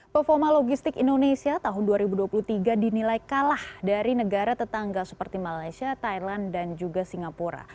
performa logistik indonesia tahun dua ribu dua puluh tiga dinilai kalah dari negara tetangga seperti malaysia thailand dan juga singapura